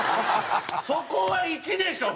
そこは１でしょ！